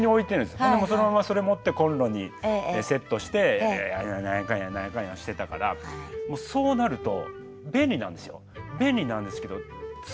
ほんでそのままそれ持ってコンロにセットして何やかんや何やかんやしてたからそうなると便利なんですよ。